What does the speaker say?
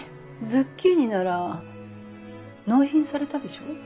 ズッキーニなら納品されたでしょ？